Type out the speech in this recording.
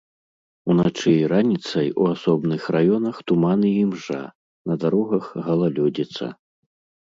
Уначы і раніцай у асобных раёнах туман і імжа, на дарогах галалёдзіца.